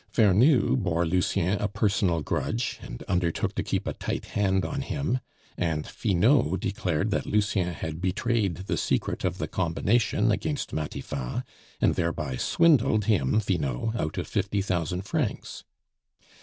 Vernou bore Lucien a personal grudge, and undertook to keep a tight hand on him; and Finot declared that Lucien had betrayed the secret of the combination against Matifat, and thereby swindled him (Finot) out of fifty thousand francs.